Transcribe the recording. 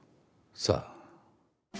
さあ？